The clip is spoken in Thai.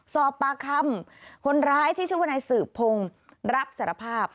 สอบปลาคำคนร้ายที่ชุบนายสืบพงษ์รับสรภาพ